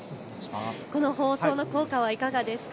この放送の効果はいかがですか。